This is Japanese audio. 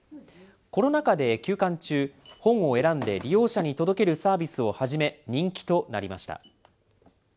コロナ禍で休館中、本を選んで利用者に届けるサービスを始め、人気となりました。